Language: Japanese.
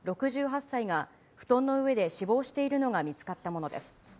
６８歳が、布団の上で死亡しているのが見つかったものです。